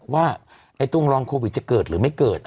ว่าตรงรองโควิดจะเกิดหรือไม่เกิด